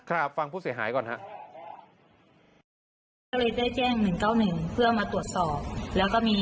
ครับฟังผู้เสียหายก่อนครับ